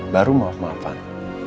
baru mau kemafan